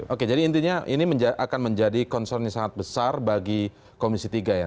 oke jadi intinya ini akan menjadi concern yang sangat besar bagi komisi tiga ya